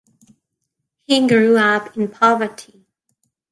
He grew up in poverty.